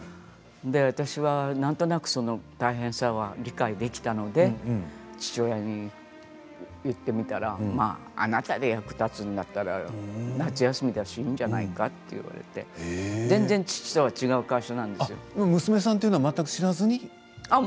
私はなんとなくその大変さは理解できたので父親に言ってみたらあなたで役に立つんだったら夏休みだしいいんじゃないかと言われて娘さんとは全く知らずに？